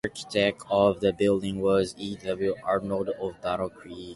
The architect of the building was E. W. Arnold of Battle Creek.